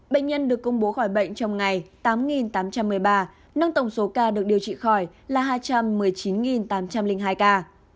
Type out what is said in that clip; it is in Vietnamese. bệnh nhân được công bố khỏi bệnh trong ngày tám tám trăm một mươi ba nâng tổng số ca được điều trị khỏi là hai trăm một mươi chín tám trăm linh hai ca